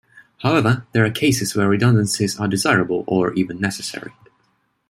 However, there are cases where redundancies are desirable or even necessary.